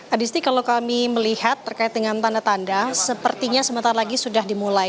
adisti kalau kami melihat terkait dengan tanda tanda sepertinya sebentar lagi sudah dimulai